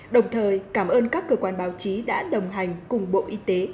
đồng thời cảm ơn các cơ quan báo chí đã đồng hành cùng bộ y tế